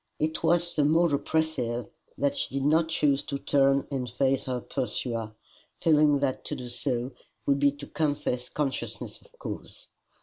It was the more oppressive that she did not choose to turn and face her pursuer, feeling that to do so would be to confess consciousness of cause.